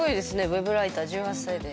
Ｗｅｂライター１８歳で。